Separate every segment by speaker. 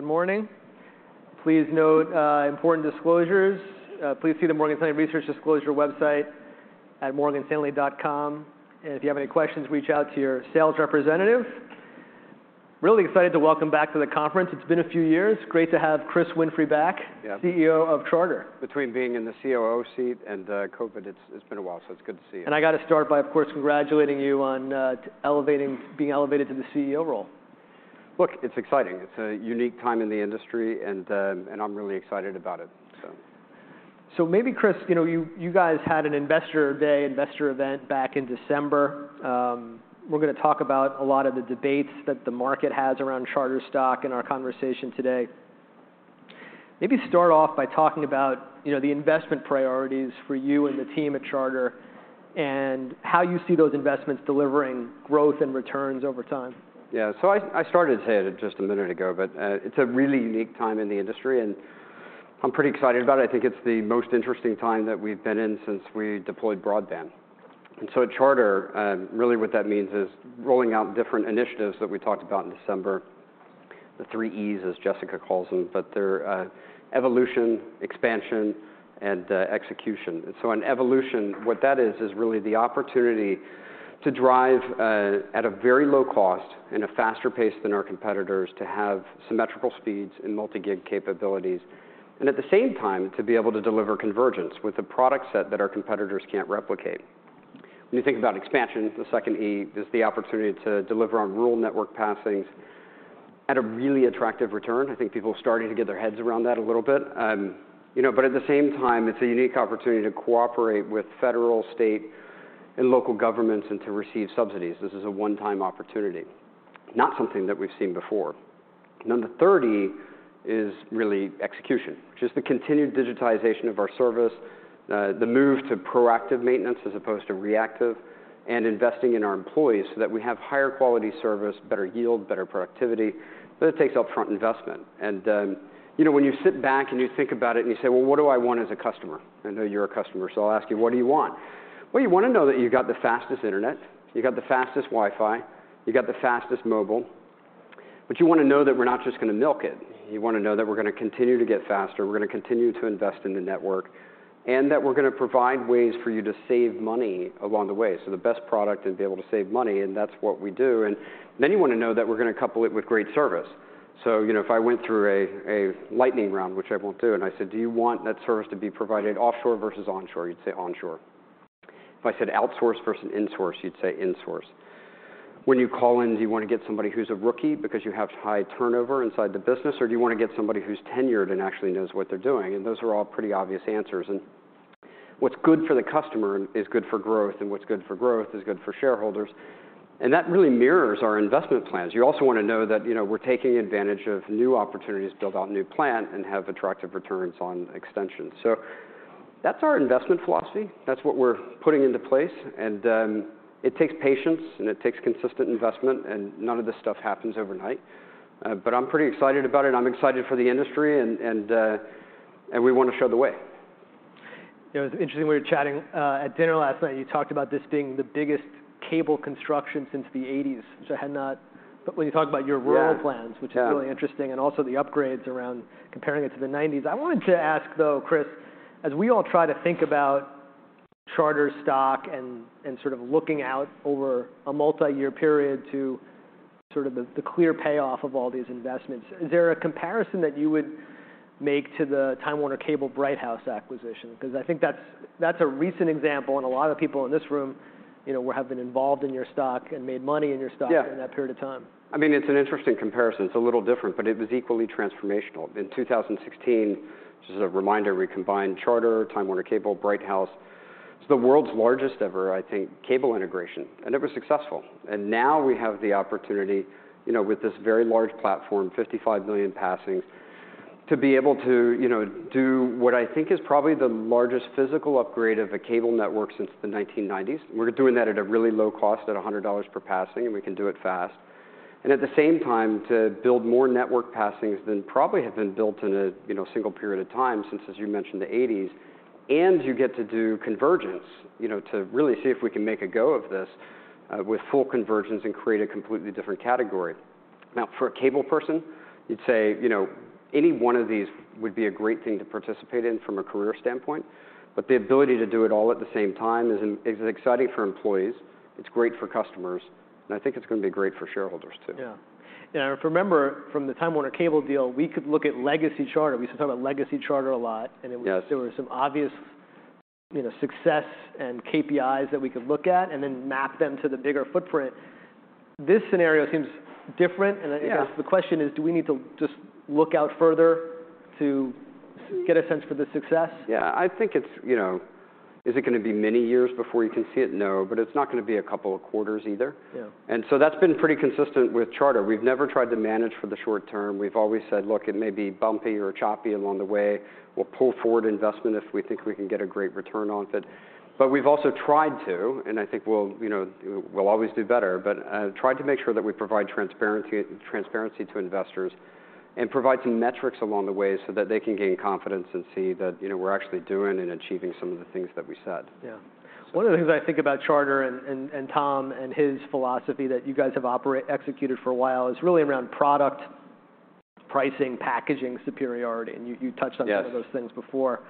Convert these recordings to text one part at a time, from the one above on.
Speaker 1: Good morning. Please note important disclosures. Please see the Morgan Stanley research disclosure website at morganstanley.com. If you have any questions, reach out to your sales representative. Really excited to welcome back to the conference. It's been a few years. Great to have Chris Winfrey back.
Speaker 2: Yeah
Speaker 1: CEO of Charter.
Speaker 2: Between being in the COO seat and, COVID, it's been a while, so it's good to see you.
Speaker 1: I gotta start by, of course, congratulating you on being elevated to the CEO role.
Speaker 2: Look, it's exciting. It's a unique time in the industry, and I'm really excited about it, so.
Speaker 1: Maybe Chris, you know, you guys had an investor day, investor event back in December. We're gonna talk about a lot of the debates that the market has around Charter stock in our conversation today. Maybe start off by talking about, you know, the investment priorities for you and the team at Charter, and how you see those investments delivering growth and returns over time.
Speaker 2: Yeah. I started to say it just a minute ago, but it's a really unique time in the industry, and I'm pretty excited about it. I think it's the most interesting time that we've been in since we deployed broadband. At Charter, really what that means is rolling out different initiatives that we talked about in December, the three E's as Jessica calls them, but they're evolution, expansion, and execution. On evolution, what that is really the opportunity, to drive at a very low cost and a faster pace than our competitors to have symmetrical speeds and multi-gig capabilities, and at the same time to be able to deliver convergence with a product set that our competitors can't replicate. When you think about expansion, the second E, is the opportunity to deliver on rural network passings at a really attractive return. I think people are starting to get their heads around that a little bit. You know, at the same time, it's a unique opportunity to cooperate with federal, state, and local governments and to receive subsidies. This is a one-time opportunity, not something that we've seen before. The third E is really execution, which is the continued digitization of our service, the move to proactive maintenance as opposed to reactive, and investing in our employees so that we have higher quality service, better yield, better productivity, but it takes upfront investment. You know, when you sit back and you think about it and you say, "What do I want as a customer?" I know you're a customer, so I'll ask you, what do you want? You wanna know that you got the fastest internet, you got the fastest Wi-Fi, you got the fastest mobile, but you wanna know that we're not just gonna milk it. You wanna know that we're gonna continue to get faster, we're gonna continue to invest in the network, and that we're gonna provide ways for you to save money along the way. The best product and be able to save money, and that's what we do. Then you wanna know that we're gonna couple it with great service. You know, if I went through a lightning round, which I won't do, and I said, "Do you want that service to be provided offshore versus onshore?" You'd say onshore. If I said outsource versus insource, you'd say insource. When you call in, do you wanna get somebody who's a rookie because you have high turnover inside the business, or do you wanna get somebody who's tenured and actually knows what they're doing? Those are all pretty obvious answers. What's good for the customer is good for growth, and what's good for growth is good for shareholders. That really mirrors our investment plans. You also wanna know that, you know, we're taking advantage of new opportunities to build out new plant and have attractive returns on extensions. That's our investment philosophy. That's what we're putting into place. It takes patience and it takes consistent investment, and none of this stuff happens overnight. I'm pretty excited about it. I'm excited for the industry and we wanna show the way.
Speaker 1: You know, it's interesting, we were chatting, at dinner last night, you talked about this being the biggest cable construction since the '80s, which I had not. When you talk about your rural plans.
Speaker 2: Yeah, yeah.
Speaker 1: Which is really interesting, and also the upgrades around comparing it to the '90s. I wanted to ask though, Chris, as we all try to think about Charter stock, and sort of looking out over a multi-year period to sort of the clear payoff of all these investments, is there a comparison that you would make to the Time Warner Cable Bright House acquisition? I think that's a recent example, and a lot of people in this room, you know, have been involved in your stock and made money in your stock-
Speaker 2: Yeah
Speaker 1: In that period of time.
Speaker 2: I mean, it's an interesting comparison. It's a little different, but it was equally transformational. In 2016, just as a reminder, we combined Charter, Time Warner Cable, Bright House. It's the world's largest ever, I think, cable integration, and it was successful. Now we have the opportunity, you know, with this very large platform, 55 million passings, to be able to, you know, do what I think is probably the largest physical upgrade of a cable network since the 1990s. We're doing that at a really low cost, at $100 per passing, and we can do it fast. At the same time, to build more network passings than probably have been built in a, you know, single period of time since, as you mentioned, the '80s. You get to do convergence, you know, to really see if we can make a go of this, with full convergence and create a completely different category. For a cable person, you'd say, you know, any one of these would be a great thing to participate in from a career standpoint, but the ability to do it all at the same time is exciting for employees, it's great for customers, and I think it's gonna be great for shareholders too.
Speaker 1: Yeah. If I remember from the Time Warner Cable deal, we could look at Legacy Charter. We used to talk about Legacy Charter a lot.
Speaker 2: Yes
Speaker 1: There were some obvious, you know, success and KPIs that we could look at and then map them to the bigger footprint. This scenario seems different, and I guess-
Speaker 2: Yeah
Speaker 1: The question is, do we need to just look out further to get a sense for the success?
Speaker 2: Yeah. I think it's, you know. Is it gonna be many years before you can see it? No, but it's not gonna be a couple of quarters either.
Speaker 1: Yeah.
Speaker 2: That's been pretty consistent with Charter. We've never tried to manage for the short term. We've always said, "Look, it may be bumpy or choppy along the way. We'll pull forward investment if we think we can get a great return on it. We've also tried to, and I think we'll, you know, we'll always do better, but, tried to make sure that we provide transparency to investors and provide some metrics along the way so that they can gain confidence and see that, you know, we're actually doing and achieving some of the things that we said.
Speaker 1: Yeah. One of the things I think about Charter and Tom and his philosophy that you guys have executed for a while is really around product pricing, packaging superiority. You touched on.
Speaker 2: Yes
Speaker 1: Some of those things before.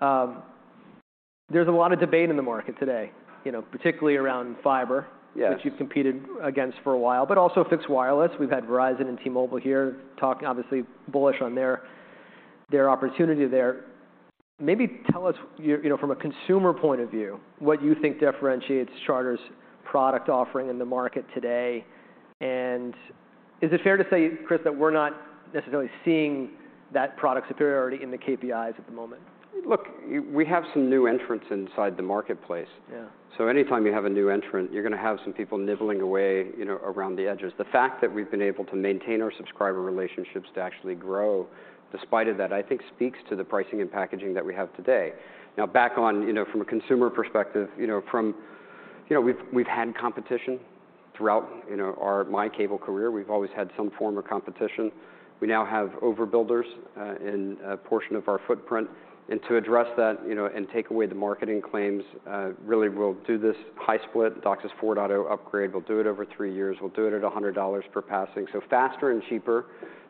Speaker 1: There's a lot of debate in the market today, you know, particularly around.
Speaker 2: Yes
Speaker 1: Which you've competed against for a while, but also fixed wireless. We've had Verizon and T-Mobile here talk obviously bullish on their opportunity there. Maybe tell us You know, from a consumer point of view, what you think differentiates Charter's product offering in the market today. Is it fair to say, Chris, that we're not necessarily seeing that product superiority in the KPIs at the moment?
Speaker 2: Look, we have some new entrants inside the marketplace.
Speaker 1: Yeah.
Speaker 2: Anytime you have a new entrant, you're gonna have some people nibbling away, you know, around the edges. The fact that we've been able to maintain our subscriber relationships to actually grow despite of that, I think speaks to the pricing and packaging that we have today. Back on, you know, from a consumer perspective, you know, we've had competition throughout, you know, our, my cable career. We've always had some form of competition. We now have overbuilders in a portion of our footprint. To address that, you know, and take away the marketing claims, really we'll do this high-split, DOCSIS 4.0 auto upgrade. We'll do it over three years. We'll do it at $100 per passing, so faster and cheaper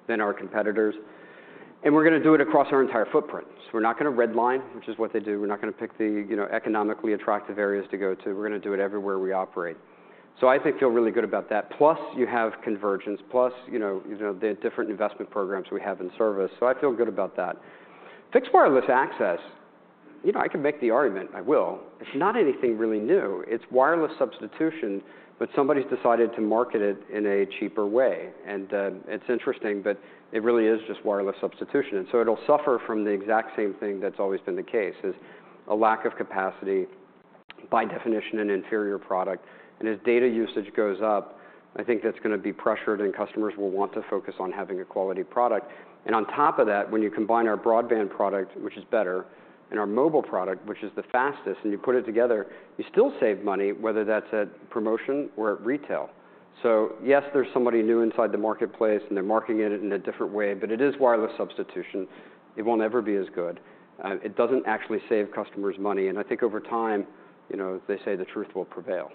Speaker 2: than our competitors. We're gonna do it across our entire footprint. We're not gonna red line, which is what they do. We're not gonna pick the, you know, economically attractive areas to go to. We're gonna do it everywhere we operate. I think, feel really good about that. Plus you have convergence, plus, you know, the different investment programs we have in service. I feel good about that. Fixed wireless access, you know, I can make the argument, I will. It's not anything really new. It's wireless substitution, but somebody's decided to market it in a cheaper way. It's interesting, but it really is just wireless substitution. It'll suffer from the exact same thing that's always been the case, is a lack of capacity by definition an inferior product. As data usage goes up, I think that's gonna be pressured and customers will want to focus on having a quality product. On top of that, when you combine our broadband product, which is better, and our mobile product, which is the fastest, and you put it together, you still save money, whether that's at promotion or at retail. Yes, there's somebody new inside the marketplace, and they're marketing it in a different way, but it is wireless substitution. It won't ever be as good. It doesn't actually save customers money. I think over time, you know, as they say, the truth will prevail.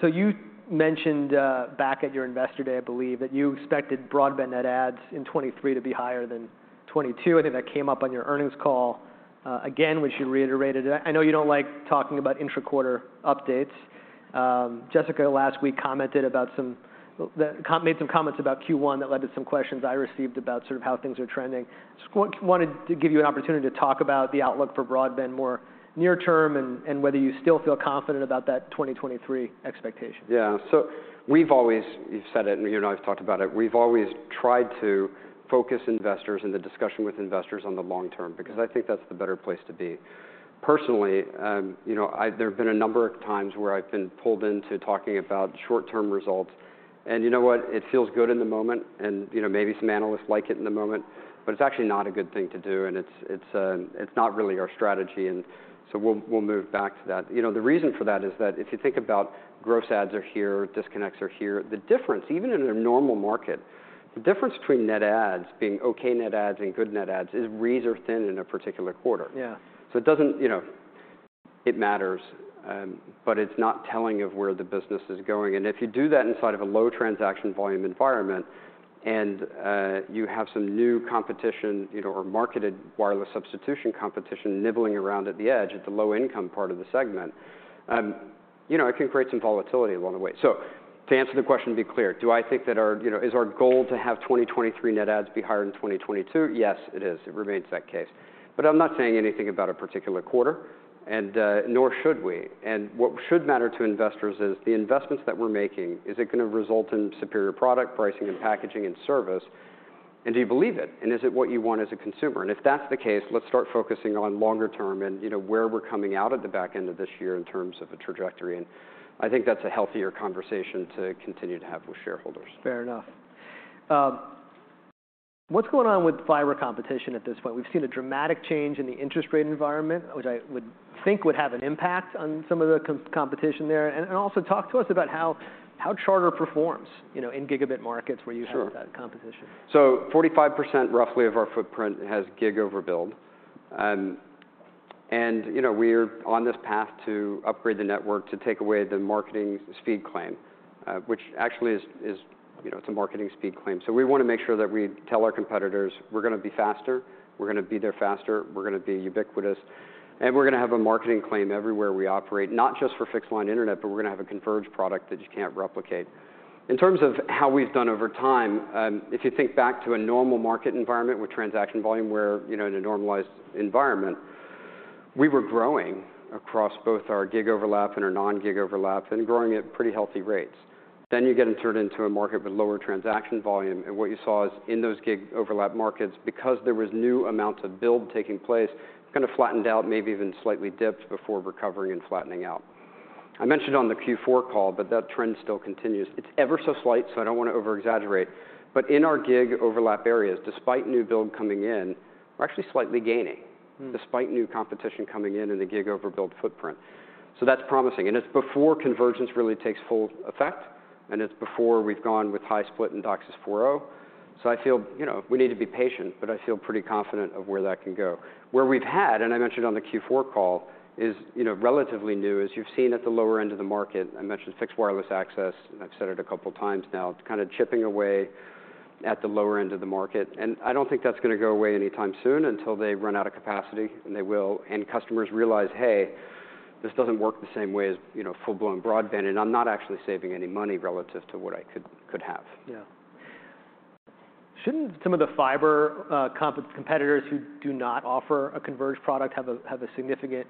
Speaker 1: So you mentioned, back at your Investor Day, I believe, that you expected broadband net adds in 2023 to be higher than 2022. I think that came up on your earnings call again, which you reiterated. I know you don't like talking about intra-quarter updates. Jessica last week commented about some made some comments about Q1 that led to some questions I received about sort of how things are trending. Just wanted to give you an opportunity to talk about the outlook for broadband more near term and whether you still feel confident about that 2023 expectation.
Speaker 2: Yeah. We've always said it, and you and I have talked about it. We've always tried to focus investors in the discussion with investors on the long term, because I think that's the better place to be. Personally, you know, there have been a number of times where I've been pulled into talking about short-term results. You know what? It feels good in the moment and, you know, maybe some analysts like it in the moment, but it's actually not a good thing to do. It's not really our strategy and so we'll move back to that. You know, the reason for that is that if you think about gross adds are here, disconnects are here, the difference, even in a normal market, the difference between net adds being okay net adds and good net adds is razor thin in a particular quarter.
Speaker 1: Yeah.
Speaker 2: It doesn't, you know. It matters, but it's not telling of where the business is going. If you do that inside of a low transaction volume environment, and you have some new competition, you know, or marketed wireless substitution competition nibbling around at the edge at the low income part of the segment, you know, it can create some volatility along the way. To answer the question and be clear, do I think that our, you know, is our goal to have 2023 net adds be higher than 2022? Yes, it is. It remains that case. I'm not saying anything about a particular quarter and nor should we. What should matter to investors is the investments that we're making, is it gonna result in superior product pricing and packaging and service? Do you believe it? Is it what you want as a consumer? If that's the case, let's start focusing on longer term and, you know, where we're coming out at the back end of this year in terms of the trajectory, and I think that's a healthier conversation to continue to have with shareholders.
Speaker 1: Fair enough. What's going on with fiber competition at this point? We've seen a dramatic change in the interest rate environment, which I would think would have an impact on some of the competition there. Also talk to us about how Charter performs, you know, in gigabit markets where you.
Speaker 2: Sure
Speaker 1: have that competition.
Speaker 2: 45% roughly of our footprint has gig overbuild. You know, we're on this path to upgrade the network to take away the marketing speed claim, which actually is, you know, it's a marketing speed claim. We wanna make sure that we tell our competitors, we're gonna be faster, we're gonna be there faster, we're gonna be ubiquitous, and we're gonna have a marketing claim everywhere we operate, not just for fixed line internet, but we're gonna have a converged product that you can't replicate. In terms of how we've done over time, if you think back to a normal market environment with transaction volume, where, you know, in a normalized environment, we were growing across both our gig overlap and our non-gig overlap and growing at pretty healthy rates. You get inserted into a market with lower transaction volume, and what you saw is in those gig overlap markets, because there was new amounts of build taking place, kind of flattened out, maybe even slightly dipped before recovering and flattening out. I mentioned on the Q4 call. That trend still continues. It's ever so slight. I don't wanna over-exaggerate. In our gig overlap areas, despite new build coming in, we're actually slightly gaining.
Speaker 1: Hmm
Speaker 2: Despite new competition coming in in the gig overbuild footprint. That's promising, and it's before convergence really takes full effect, and it's before we've gone with high-split and DOCSIS 4.0. I feel, you know, we need to be patient, but I feel pretty confident of where that can go. Where we've had, and I mentioned on the Q4 call, is, you know, relatively new, as you've seen at the lower end of the market, I mentioned fixed wireless access, and I've said it a couple times now, it's kind of chipping away at the lower end of the market. I don't think that's gonna go away anytime soon until they run out of capacity, and they will, and customers realize, hey, this doesn't work the same way as, you know, full-blown broadband, and I'm not actually saving any money relative to what I could have.
Speaker 1: Yeah. Shouldn't some of the fiber competitors who do not offer a converged product have a significant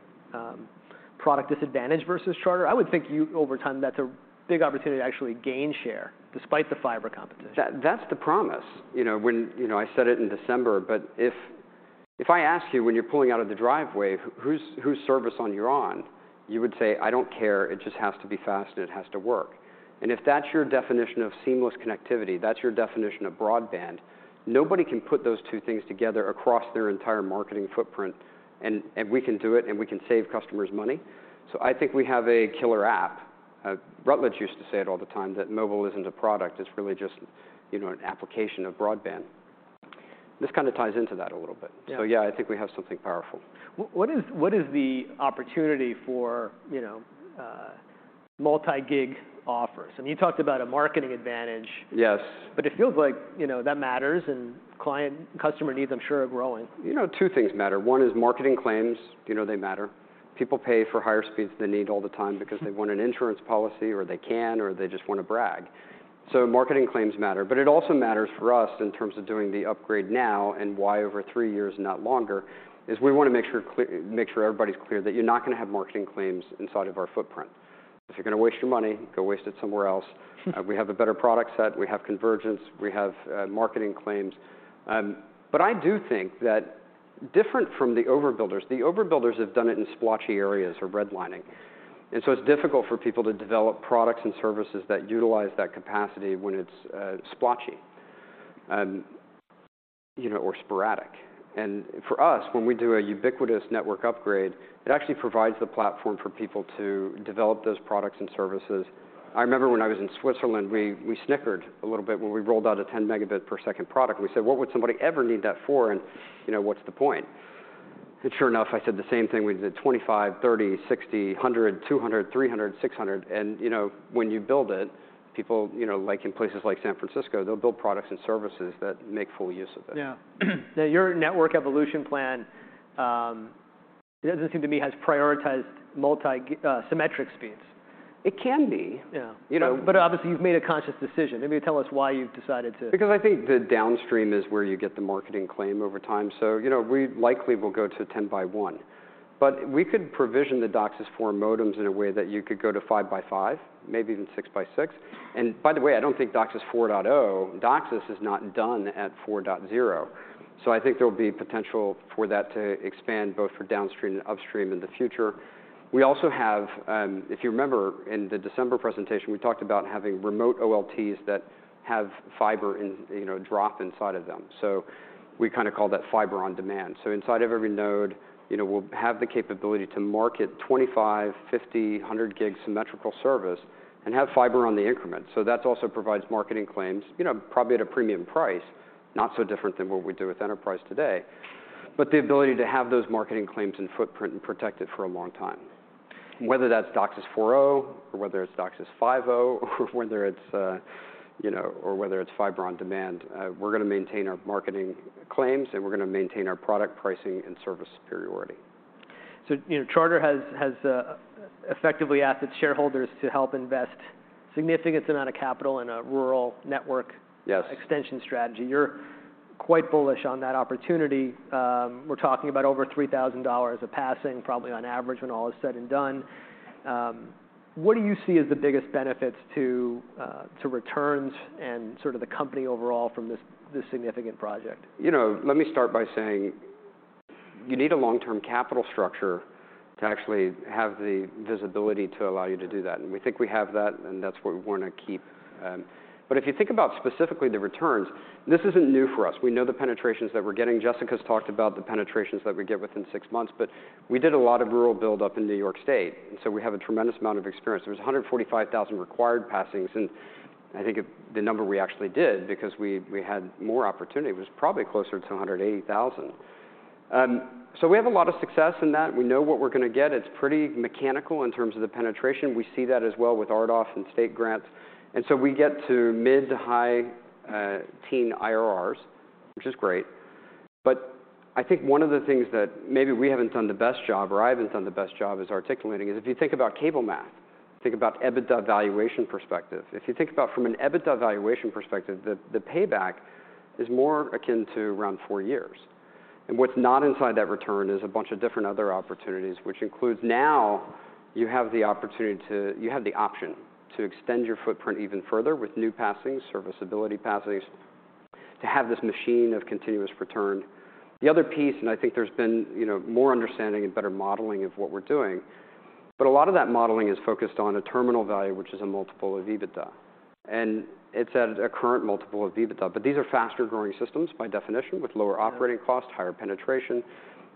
Speaker 1: product disadvantage versus Charter? I would think you, over time, that's a big opportunity to actually gain share despite the fiber competition.
Speaker 2: That's the promise. You know, when, you know, I said it in December, but if I ask you when you're pulling out of the driveway, whose service line you're on, you would say, "I don't care. It just has to be fast, and it has to work." If that's your definition of seamless connectivity, that's your definition of broadband, nobody can put those two things together across their entire marketing footprint, and we can do it, and we can save customers money. I think we have a killer app. Rutledge used to say it all the time that mobile isn't a product, it's really just, you know, an application of broadband. This kind of ties into that a little bit.
Speaker 1: Yeah.
Speaker 2: Yeah, I think we have something powerful.
Speaker 1: What is the opportunity for, you know, multi-gig offers? I mean, you talked about a marketing advantage.
Speaker 2: Yes.
Speaker 1: It feels like, you know, that matters and client customer needs I'm sure are growing.
Speaker 2: You know, two things matter. One is marketing claims. You know they matter. People pay for higher speeds than they need all the time because they want an insurance policy, or they can, or they just wanna brag. Marketing claims matter. It also matters for us in terms of doing the upgrade now and why over three years, not longer, is we wanna make sure everybody's clear that you're not gonna have marketing claims inside of our footprint. If you're gonna waste your money, go waste it somewhere else. We have a better product set. We have convergence. We have marketing claims. I do think that different from the overbuilders, the overbuilders have done it in splotchy areas or redlining, and so it's difficult for people to develop products and services that utilize that capacity when it's splotchy, you know, or sporadic. For us, when we do a ubiquitous network upgrade, it actually provides the platform for people to develop those products and services. I remember when I was in Switzerland, we snickered a little bit when we rolled out a 10 megabit per second product. We said, "What would somebody ever need that for? You know, what's the point? Sure enough, I said the same thing when we did 25, 30, 60, 100, 200, 300, 600, and, you know, when you build it, people, you know, like in places like San Francisco, they'll build products and services that make full use of it.
Speaker 1: Yeah. Your network evolution plan, it doesn't seem to me, has prioritized multi, symmetric speeds.
Speaker 2: It can be.
Speaker 1: Yeah.
Speaker 2: You know.
Speaker 1: Obviously you've made a conscious decision. Maybe tell us why you've decided?
Speaker 2: I think the downstream is where you get the marketing claim over time. you know, we likely will go to 10 by one, but we could provision the DOCSIS four modems in a way that you could go to five by five, maybe even six by six. By the way, I don't think DOCSIS 4.0, DOCSIS is not done at 4.0. I think there'll be potential, for that to expand both for downstream and upstream in the future. We also have, if you remember in the December presentation, we talked about having remote OLTs that have fiber in, you know, drop inside of them. We kind of call that fiber on demand. Inside of every node, you know, we'll have the capability to market 25, 50, 100 gig symmetrical service and have fiber on the increment. That's also provides marketing claims, you know, probably at a premium price, not so different than what we do with enterprise today. The ability to have those marketing claims and footprint and protect it for a long time, whether that's DOCSIS 4.0, or whether it's DOCSIS 5.0, or whether it's, you know, fiber on demand, we're gonna maintain our marketing claims, and we're gonna maintain our product pricing and service superiority.
Speaker 1: You know, Charter has effectively asked its shareholders to help invest significant amount of capital in a rural network.
Speaker 2: Yes
Speaker 1: Extension strategy. You're quite bullish on that opportunity. We're talking about over $3,000 a passing probably on average when all is said and done. What do you see as the biggest benefits to returns and sort of the company overall from this significant project?
Speaker 2: You know, let me start by saying you need a long-term capital structure to actually have the visibility to allow you to do that, and we think we have that, and that's what we wanna keep. If you think about specifically the returns, this isn't new for us. We know the penetrations that we're getting. Jessica's talked about the penetrations that we get within six months, but we did a lot of rural build up in New York State, and so we have a tremendous amount of experience. There was 145,000 required passings, and I think the number we actually did, because we had more opportunity, was probably closer to 180,000. We have a lot of success in that. We know what we're gonna get. It's pretty mechanical in terms of the penetration. We see that as well with RDOF and state grants. We get to mid to high teen IRRs, which is great. I think one of the things that maybe we haven't done the best job or I haven't done the best job is articulating is if you think about cable math, think about EBITDA valuation perspective. If you think about from an EBITDA valuation perspective, the payback is more akin to around four years. What's not inside that return is a bunch of different other opportunities, which includes now you have the opportunity to you have the option to extend your footprint even further with new passings, serviceability passings, to have this machine of continuous return. The other piece, I think there's been, you know, more understanding and better modeling of what we're doing, a lot of that modeling is focused on a terminal value, which is a multiple of EBITDA. It's at a current multiple of EBITDA. These are faster growing systems by definition with lower operating costs, higher penetration.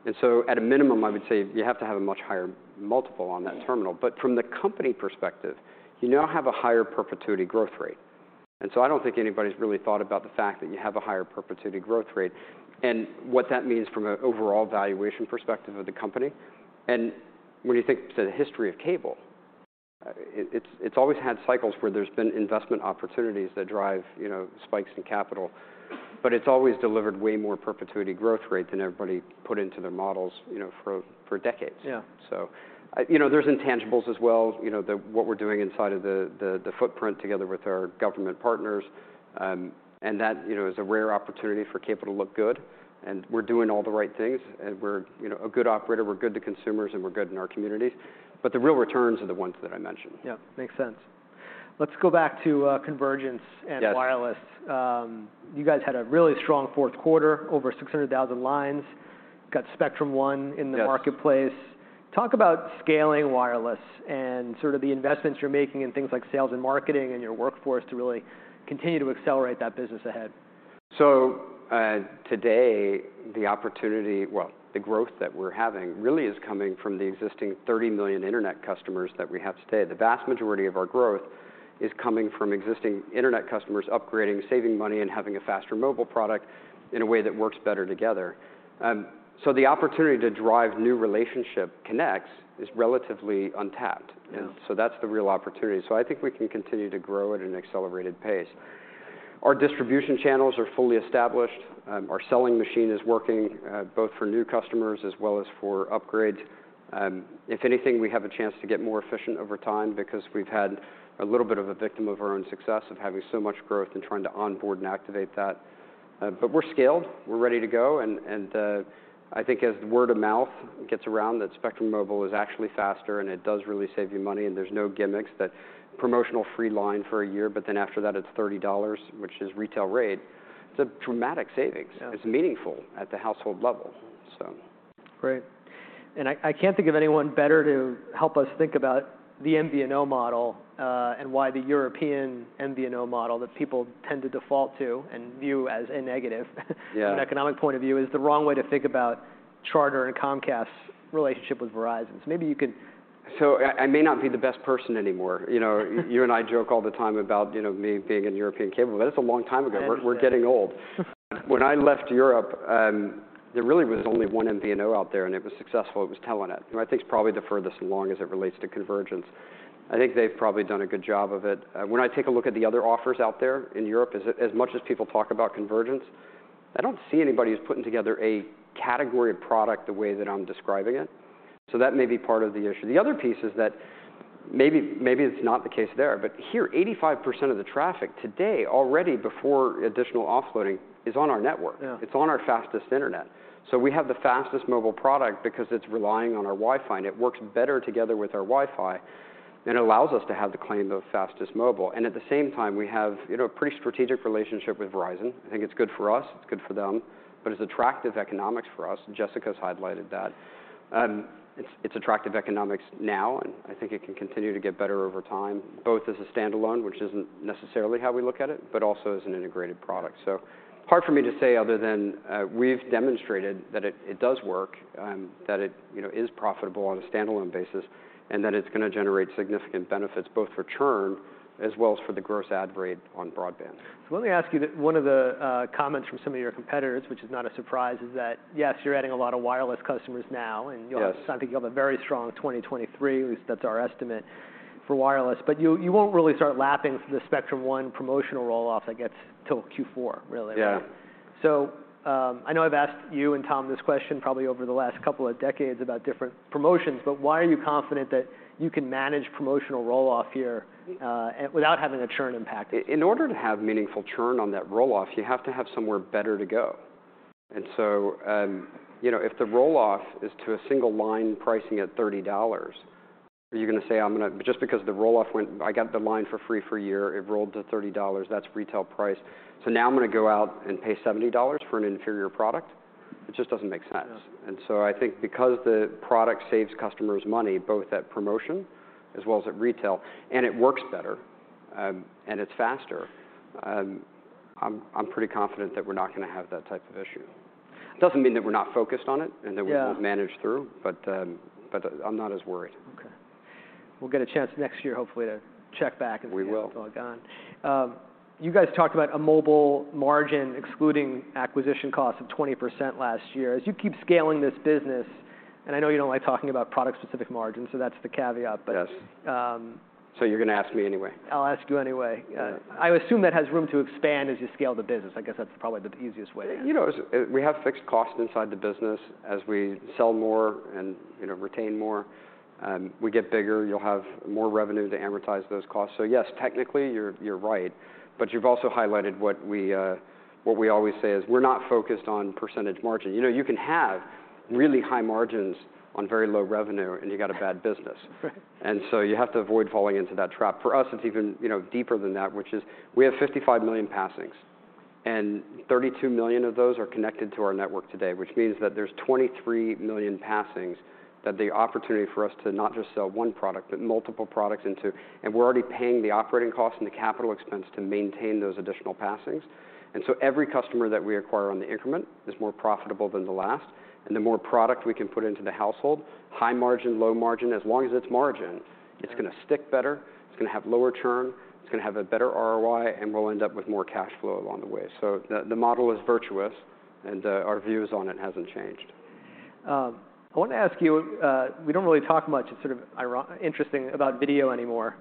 Speaker 2: At a minimum, I would say you have to have a much higher multiple on that terminal. From the company perspective, you now have a higher perpetuity growth rate. I don't think anybody's really thought about the fact that you have a higher perpetuity growth rate, and what that means from an overall valuation perspective of the company. When you think to the history of cable, it's always had cycles where there's been investment opportunities that drive, you know, spikes in capital, but it's always delivered way more perpetuity growth rate than everybody put into their models, you know, for decades.
Speaker 1: Yeah.
Speaker 2: you know, there's intangibles as well, you know, the, what we're doing inside of the, the footprint together with our government partners. That, you know, is a rare opportunity for cable to look good, and we're doing all the right things and we're, you know, a good operator. We're good to consumers, and we're good in our communities. The real returns are the ones that I mentioned.
Speaker 1: Yeah. Makes sense. Let's go back to convergence.
Speaker 2: Yes
Speaker 1: Wireless. You guys had a really strong fourth quarter, over 600,000 lines. Got Spectrum One.
Speaker 2: Yes
Speaker 1: Marketplace. Talk about scaling wireless and sort of the investments you're making in things like sales and marketing and your workforce to really continue to accelerate that business ahead.
Speaker 2: Today, well, the growth that we're having really is coming from the existing 30 million internet customers that we have today. The vast majority of our growth is coming from existing internet customers upgrading, saving money, and having a faster mobile product in a way that works better together. The opportunity to drive new relationship connects is relatively untapped.
Speaker 1: Yeah.
Speaker 2: That's the real opportunity. I think we can continue to grow at an accelerated pace. Our distribution channels are fully established. Our selling machine is working both for new customers as well as for upgrades. If anything, we have a chance to get more efficient over time because we've, had a little bit of a victim of our own success of having so much growth and trying to onboard and activate that. But we're scaled, we're ready to go, and I think as word of mouth gets around that Spectrum Mobile is actually faster and it does really save you money and there's no gimmicks, that promotional free line for a year, but then after that it's $30, which is retail rate, it's a dramatic savings.
Speaker 1: Yeah.
Speaker 2: It's meaningful at the household level.
Speaker 1: Great. I can't think of anyone better to help us think about the MVNO model, and why the European MVNO model that people tend to default to and view as a negative-
Speaker 2: Yeah
Speaker 1: From an economic point of view is the wrong way to think about Charter and Comcast's relationship with Verizon.
Speaker 2: I may not be the best person anymore. You and I joke all the time about, you know, me being in European cable, but that's a long time ago.
Speaker 1: Understood.
Speaker 2: We're getting old. When I left Europe, there really was only one MVNO out there, and it was successful. It was Telia, who I think is probably the furthest along as it relates to convergence. I think they've probably done a good job of it. When I take a look at the other offers out there in Europe, as much as people talk about convergence, I don't see anybody who's putting together a category of product the way that I'm describing it, so that may be part of the issue. The other piece is that maybe it's not the case there, but here, 85% of the traffic today already before additional offloading is on our network.
Speaker 1: Yeah.
Speaker 2: It's on our fastest internet. We have the fastest mobile product because it's relying on our Wi-Fi, and it works better together with our Wi-Fi, and it allows us to have the claim of fastest mobile. At the same time, we have, you know, a pretty strategic relationship with Verizon. I think it's good for us, it's good for them, but it's attractive economics for us. Jessica's highlighted that. It's attractive economics now, and I think it can continue to get better over time, both as a standalone, which isn't necessarily how we look at it, but also as an integrated product. Hard for me to say other than, we've demonstrated that it does work, that it, you know, is profitable on a standalone basis, and that it's gonna generate significant benefits both for churn as well as for the gross ad rate on broadband.
Speaker 1: Let me ask you the one of the comments from some of your competitors, which is not a surprise, is that yes, you're adding a lot of wireless customers now.
Speaker 2: Yes
Speaker 1: I think you'll have a very strong 2023, at least that's our estimate for wireless. You won't really start lapping the Spectrum One promotional roll-off, I guess, till Q4, really.
Speaker 2: Yeah.
Speaker 1: I know I've asked you and Tom this question probably over the last two decades about different promotions, but why are you confident that you can manage promotional roll-off here without having a churn impact?
Speaker 2: In order to have meaningful churn on that roll-off, you have to have somewhere better to go. You know, if the roll-off is to a single line pricing at $30, are you gonna say, "I got the line for free for a year, it rolled to $30, that's retail price, so now I'm gonna go out and pay $70 for an inferior product?" It just doesn't make sense.
Speaker 1: Yeah.
Speaker 2: I think because the product saves customers money, both at promotion as well as at retail, and it works better, and it's faster, I'm pretty confident that we're not gonna have that type of issue. Doesn't mean that we're not focused on it and that we
Speaker 1: Yeah
Speaker 2: Won't manage through, but I'm not as worried.
Speaker 1: Okay. We'll get a chance next year hopefully to check back and see-
Speaker 2: We will.
Speaker 1: How it's all gone. You guys talked about a mobile margin excluding acquisition costs of 20% last year. As you keep scaling this business, and I know you don't like talking about product specific margins, so that's the caveat.
Speaker 2: Yes.
Speaker 1: Um-
Speaker 2: You're gonna ask me anyway.
Speaker 1: I'll ask you anyway. I assume that has room to expand as you scale the business. I guess that's probably the easiest way to answer.
Speaker 2: You know, we have fixed costs inside the business. As we sell more and, you know, retain more, we get bigger, you'll have more revenue to amortize those costs. Yes, technically you're right, but you've also highlighted what we always say is we're not focused on percentage margin. You know, you can have really high margins on very low revenue and you got a bad business.
Speaker 1: Right.
Speaker 2: You have to avoid falling into that trap. For us, it's even, you know, deeper than that, which is we have 55 million passings. Thirty-two million of those are connected to our network today, which means that there's 23 million passings that the opportunity for us to not just sell one product, but multiple products into. We're already paying the operating costs and the capital expense to maintain those additional passings. Every customer that we acquire on the increment, is more profitable than the last. The more product we can put into the household, high margin, low margin, as long as it's margin, it's gonna stick better, it's gonna have lower churn, it's gonna have a better ROI, and we'll end up with more cash flow along the way. The model is virtuous, and our views on it hasn't changed.
Speaker 1: I wanted to ask you, we don't really talk much, it's sort of interesting about video anymore,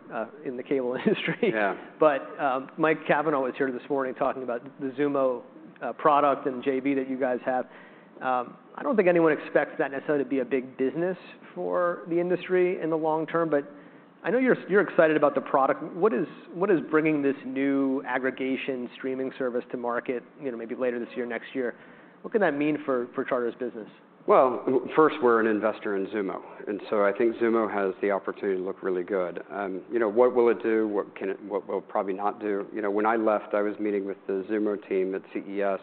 Speaker 1: in the cable industry.
Speaker 2: Yeah.
Speaker 1: Michael Cavanagh was here this morning talking about the Xumo product and JV that you guys have. I don't think anyone expects that necessarily to be a big business for the industry in the long term, but I know you're excited about the product. What is bringing this new aggregation streaming service to market, you know, maybe later this year, next year? What could that mean for Charter's business?
Speaker 2: First, we're an investor in Xumo, I think Xumo has the opportunity to look really good. You know, what will it do? What will it probably not do? You know, when I left, I was meeting with the Xumo team at CES,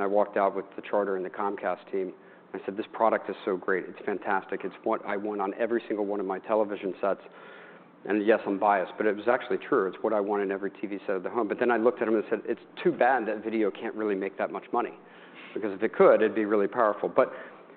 Speaker 2: I walked out with the Charter and the Comcast team. I said, "This product is so great. It's fantastic. It's what I want on every single one of my television sets, and yes, I'm biased." It was actually true. It's what I want in every TV set of the home. Then I looked at them and said, "It's too bad that video can't really make that much money, because if it could, it'd be really powerful."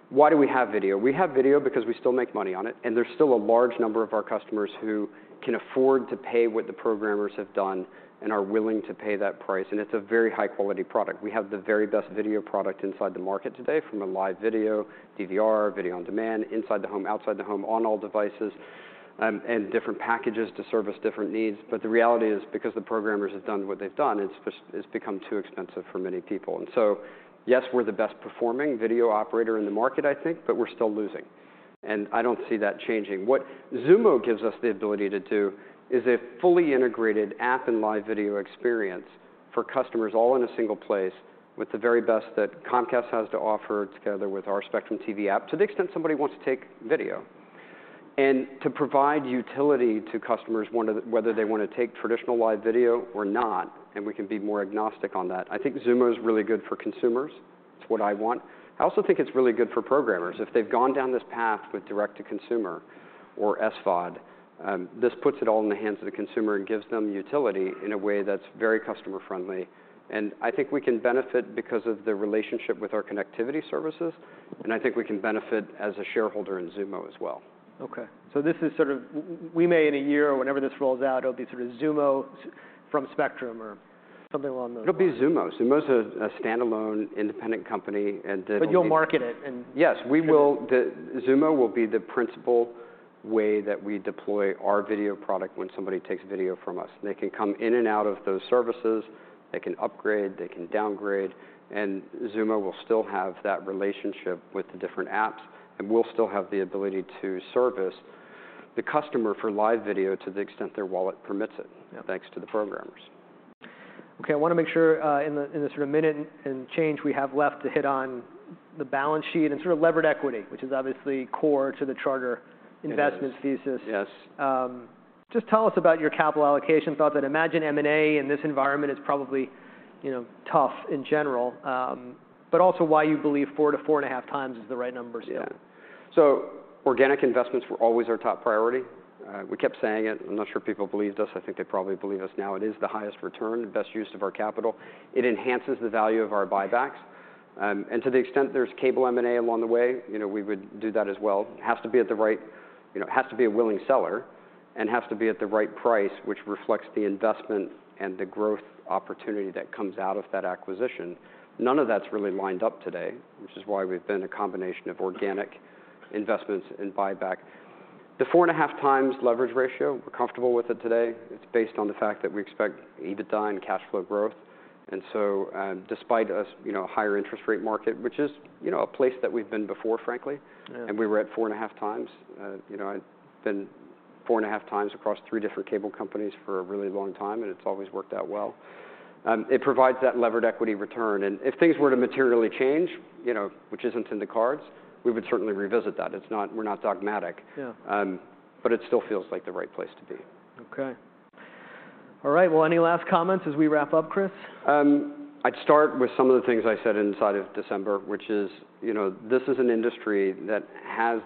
Speaker 2: Why do we have video? We have video because we still make money on it, and there's still a large number of our customers who, can afford to pay what the programmers have done and are willing to pay that price, and it's a very high-quality product. We have the very best video product inside the market today, from a live video, DVR, video on demand, inside the home, outside the home, on all devices, and different packages to service different needs. The reality is, because the programmers have done what they've done, it's become too expensive for many people. Yes, we're the best performing video operator in the market, I think, but we're still losing, and I don't see that changing. What Xumo gives us the ability to do, is a fully integrated app and live video experience for customers all in a single place with the very best that Comcast has to offer together with our Spectrum TV app to the extent somebody wants to take video. And to provide utility to customers whether they want to take traditional live video or not, and we can be more agnostic on that. I think Xumo is really good for consumers. It's what I want. I also think it's really good for programmers. If they've gone down this path with direct to consumer or SVOD, this puts it all in the hands of the consumer and gives them utility in a way that's very customer-friendly. I think we can benefit because of the relationship with our connectivity services, and I think we can benefit as a shareholder in Xumo as well.
Speaker 1: Okay. This is sort of we may in a year or whenever this rolls out, it'll be sort of Xumo from Spectrum or something along those lines.
Speaker 2: It'll be Xumo. Xumo's a standalone independent company.
Speaker 1: You'll market it.
Speaker 2: Yes. We will. Xumo will be the principal way that we deploy our video product when somebody takes video from us. They can come in and out of those services, they can upgrade, they can downgrade, and Xumo will still have that relationship with the different apps, and we'll still have the ability to service the customer for live video to the extent their wallet permits it.
Speaker 1: Yeah
Speaker 2: Thanks to the programmers.
Speaker 1: Okay, I wanna make sure, in the sort of minute and change we have left to hit on the balance sheet and sort of levered equity, which is obviously core to the Charter investment thesis.
Speaker 2: It is, yes.
Speaker 1: Just tell us about your capital allocation thoughts and imagine M&A in this environment is probably, you know, tough in general, but also why you believe four to 4.5x is the right numbers there.
Speaker 2: Organic investments were always our top priority. We kept saying it. I'm not sure people believed us. I think they probably believe us now. It is the highest return, the best use of our capital. It enhances the value of our buybacks. To the extent there's cable M&A along the way, you know, we would do that as well. It has to be at the right, you know, it has to be a willing seller and has to be at the right price, which reflects the investment and the growth opportunity that comes out of that acquisition. None of that's really lined up today, which is why we've been a combination of organic investments and buyback. The 4.5x leverage ratio, we're comfortable with it today. It's based on the fact that we expect EBITDA and cash flow growth. Despite you know, a higher interest rate market, which is, you know, a place that we've been before, frankly.
Speaker 1: Yeah
Speaker 2: We were at 4.5 times. You know, I've been 4.5 times across three different cable companies for a really long time, and it's always worked out well. It provides that levered equity return, and if things were to materially change, you know, which isn't in the cards, we would certainly revisit that. It's not, we're not dogmatic.
Speaker 1: Yeah.
Speaker 2: It still feels like the right place to be.
Speaker 1: Okay. All right. Well, any last comments as we wrap up, Chris?
Speaker 2: I'd start with some of the things I said inside of December, which is, you know, this is an industry that has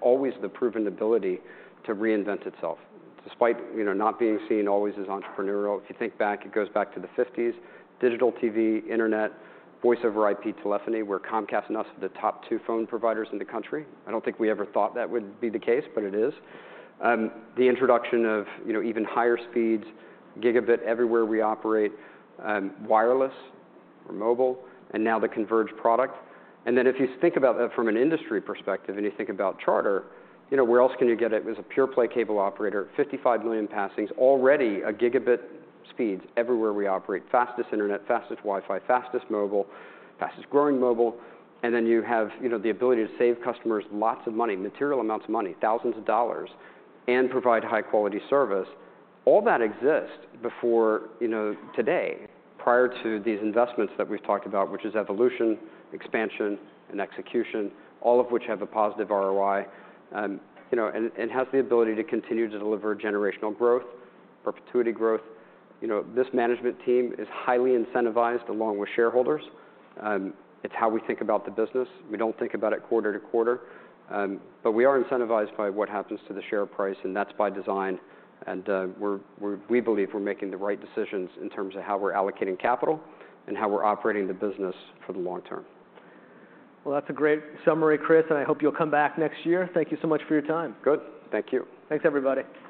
Speaker 2: always the proven ability to reinvent itself, despite, you know, not being seen always as entrepreneurial. If you think back, it goes back to the 50s, digital TV, internet, Voice over IP telephony, where Comcast and us are the top two phone providers in the country. I don't think we ever thought that would be the case, but it is. The introduction of, you know, even higher speeds, gigabit everywhere we operate, wireless or mobile, and now the converged product. If you think about that from an industry perspective and you think about Charter, you know, where else can you get it? As a pure play cable operator, 55 million passings, already a gigabit speeds everywhere we operate. Fastest internet, fastest Wi-Fi, fastest mobile, fastest growing mobile. Then you have, you know, the ability to save customers lots of money, material amounts of money, thousands of dollars, and provide high quality service. All that exists before, you know, today, prior to these investments that we've talked about, which is evolution, expansion, and execution, all of which have a positive ROI. You know, and has the ability to continue to deliver generational growth, perpetuity growth. You know, this management team is highly incentivized along with shareholders. It's how we think about the business. We don't think about it quarter to quarter. We are incentivized by what happens to the share price, and that's by design, we believe we're making the right decisions in terms of how we're allocating capital and how we're operating the business for the long term.
Speaker 1: Well, that's a great summary, Chris, and I hope you'll come back next year. Thank you so much for your time.
Speaker 2: Good. Thank you.
Speaker 1: Thanks, everybody.